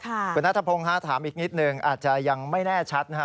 คุณนัทพงศ์ถามอีกนิดนึงอาจจะยังไม่แน่ชัดนะฮะ